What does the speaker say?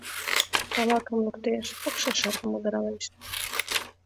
Тамакым луктеш, пыкше шырпым удыралеш.